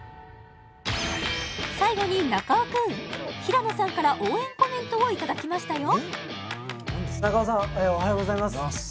最後に中尾君平野さんから応援コメントをいただきましたよ